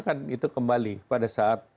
kan itu kembali pada saat